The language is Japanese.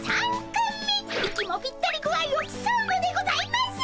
息もぴったり具合をきそうのでございます！